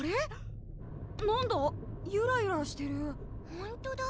ほんとだ！